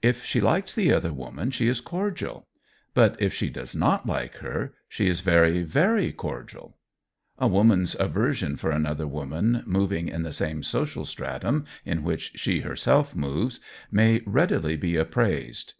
If she likes the other woman she is cordial. But if she does not like her she is very, very cordial. A woman's aversion for another woman moving in the same social stratum in which she herself moves may readily be appraised.